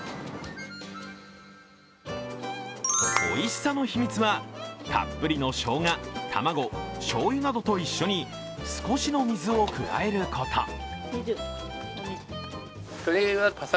おいしさの秘密は、たっぷりのしょうが、卵、しょうゆなどと一緒に少しの水を加えること。